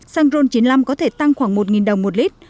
xăng ron chín mươi năm có thể tăng khoảng một đồng một lít